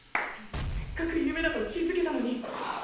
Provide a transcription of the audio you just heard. せっかく夢だと気付けたのに！